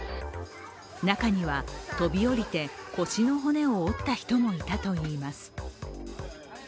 中には飛び降りて腰の骨を折った人もいたといいます。